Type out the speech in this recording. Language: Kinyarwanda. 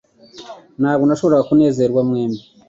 Ntabwo nashoboraga kunezezwa mwembi